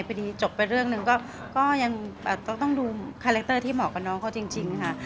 พอดีจบไปเรื่องหนึ่งก็ยังต้องดูคาแรคเตอร์ที่เหมาะกับน้องเขาจริงค่ะ